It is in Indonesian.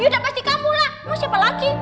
yaudah pasti kamu lah emang siapa lagi